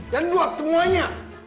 dan buat semuanya